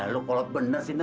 lu kolot bener sih nur